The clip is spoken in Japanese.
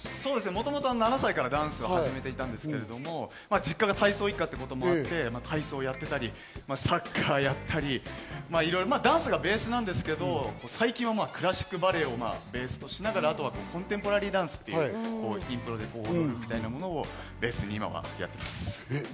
もともと７歳からダンスを始めていたんですけど、実家が体操一家ということもあって体操をやっていたりサッカーをやったり、ダンスがベースなんですけど、最近はクラシックバレエをベースとしながら、あとはコンテンポラリーダンスをベースに今やっています。